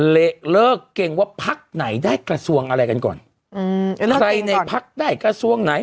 เลิกเกรงว่าพักไหนได้กระทรวงอะไรกันก่อนอืมใครในพักได้กระทรวงไหน